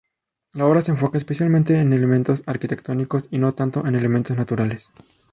La obra se enfoca especialmente en elementos arquitectónicos, y no tanto en elementos naturales.